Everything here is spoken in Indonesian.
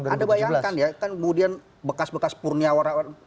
betul ada bayangkan ya kan kemudian bekas bekas purniawan